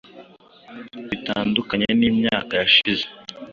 bitandukanye n’imyaka yashize